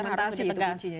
implementasi itu kuncinya